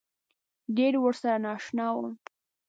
ډېر ورسره نا اشنا وم.